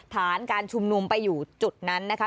ฐานการชุมนุมไปอยู่จุดนั้นนะคะ